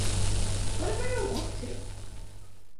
What if I don't want to?